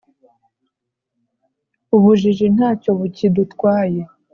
ubujiji ntacyo bukidutwaye